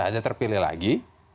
dia terpilih lagi